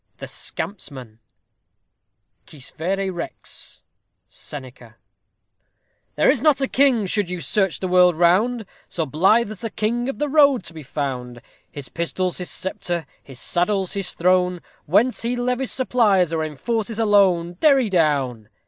THE SCAMPSMAN Quis verè rex? SENECA. There is not a king, should you search the world round, So blithe as the king of the road to be found; His pistol's his sceptre, his saddle's his throne, Whence he levies supplies, or enforces a loan. _Derry down.